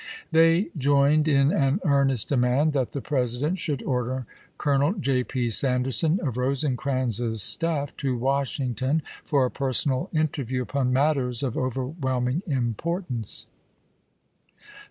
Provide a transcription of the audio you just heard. They joined in an earnest demand that the President should order Colonel J. P. Sanderson, of Eosecrans's staff, to Washington for a personal inter view upon matters of overwhelming importance.